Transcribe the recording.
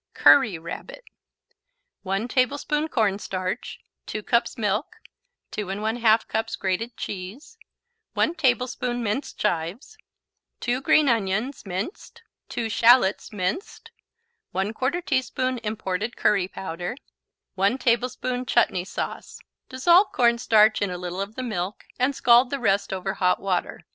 Curry Rabbit 1 tablespoon cornstarch 2 cups milk 2 1/2 cups grated cheese 1 tablespoon minced chives 2 green onions, minced 2 shallots, minced 1/4 teaspoon imported curry powder 1 tablespoon chutney sauce Dissolve cornstarch in a little of the milk and scald the rest over hot water.